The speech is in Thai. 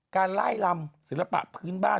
การไล่ลำศิลปะพื้นบ้าน